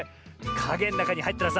かげのなかにはいったらさ